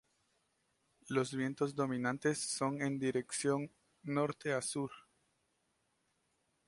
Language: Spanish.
Los vientos dominantes son en dirección norte a sur.